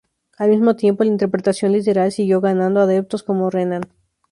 Al mismo tiempo, la interpretación literal siguió ganando adeptos como Renan.